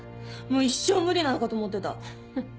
もう一生無理なのかと思ってた。